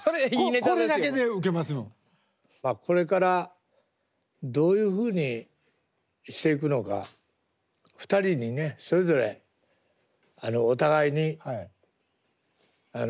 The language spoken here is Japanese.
まあこれからどういうふうにしていくのか２人にねそれぞれお互いにあのメッセージをね。